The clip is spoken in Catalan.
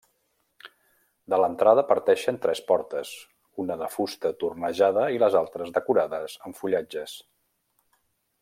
De l'entrada parteixen tres portes, una de fusta tornejada i les altres decorades amb fullatges.